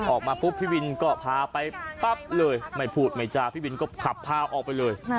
ออกมาปุ๊บพี่วินก็พาไปปั๊บเลยไม่พูดไม่จาพี่วินก็ขับพาออกไปเลย